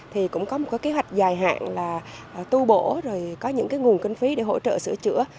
thì cũng có một cái kế hoạch dài hạn là tu bổ rồi có những cái nguồn kinh phí để hỗ trợ sửa chữa